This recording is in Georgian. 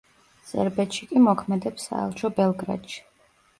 სერბეთში კი მოქმედებს საელჩო ბელგრადში.